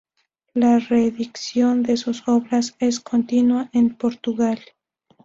La reedición de sus obras es continua en Portugal.